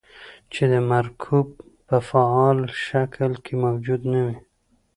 چې د مکروب په فعال شکل کې موجود نه وي.